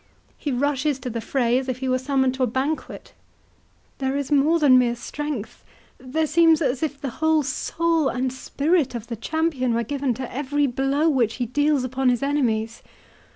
He rushes to the fray as if he were summoned to a banquet. There is more than mere strength, there seems as if the whole soul and spirit of the champion were given to every blow which he deals upon his enemies.